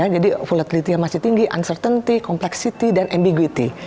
jadi volatility yang masih tinggi uncertainty complexity dan ambiguity